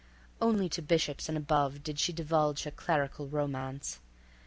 Only to bishops and above did she divulge her clerical romance.